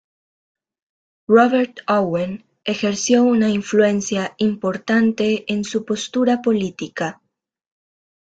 Robert Owen ejerció una influencia importante en su postura política.